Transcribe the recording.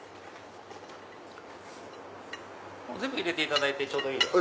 全部入れていただいてちょうどいい量です。